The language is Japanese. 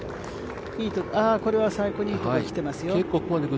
これは最高にいいところきてますよ。